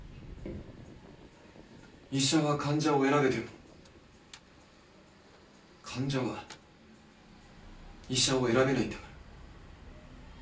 医者は患者を選べても患者は医者を選べないんだから。